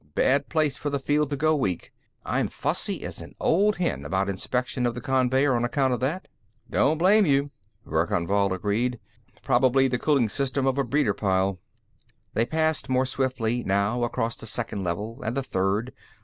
"Bad place for the field to go weak. I'm fussy as an old hen about inspection of the conveyer, on account of that." "Don't blame you," Verkan Vall agreed. "Probably the cooling system of a breeder pile." They passed more swiftly, now, across the Second Level and the Third.